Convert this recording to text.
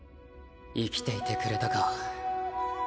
生きていてくれたか